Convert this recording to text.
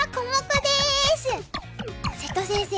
瀬戸先生